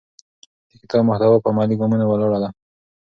د کتاب محتوا په عملي ګامونو ولاړه ده.